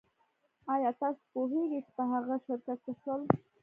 ایا تاسو پوهیږئ چې په هغه شرکت څه شول